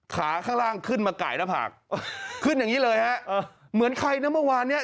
ข้างล่างขึ้นมาไก่หน้าผากขึ้นอย่างนี้เลยฮะเออเหมือนใครนะเมื่อวานเนี้ย